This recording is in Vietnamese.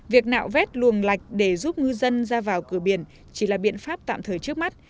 việc nạo vét luồng lạch để giúp ngư dân ra vào cửa biển chỉ là biện pháp tạm thời trước mắt